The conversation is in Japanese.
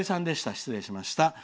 失礼しました。